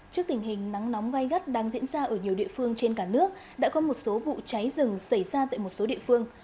trước tình hình nắng nóng gai gắt đang diễn ra ở nhiều địa phương trên cả nước đã có một số vụ cháy rừng xảy ra tại một số địa phương